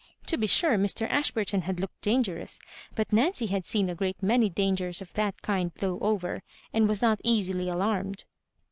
To be sure, Mr. Ashburton had looked dangerous, but Nancy had seen a great many dangers of that kind blow over, and was not easily alarmed.